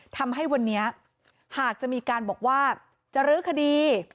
ทำให้วันนี้หากจะมีการบอกว่าจะรื้อคดี